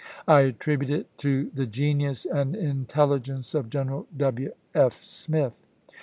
I attribute it to the ^"xxxl"^' genius and intelligence of General W. F. Smith."